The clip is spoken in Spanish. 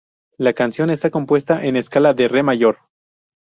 La canción está compuesta en escala de Re mayor.